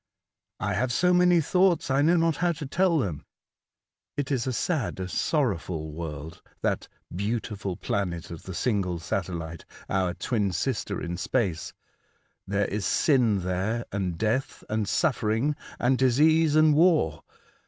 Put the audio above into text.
"'' I have so many thoughts, I know not how to tell them. It is a sad, a sorrowful world, that 'beautiful planet of the single satellite,' our twin sister in space. There is sin there, and death, and suffering, and disease, and war.